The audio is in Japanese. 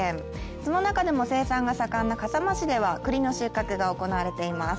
その中でも生産が盛んな笠間市では栗の収穫が行われています。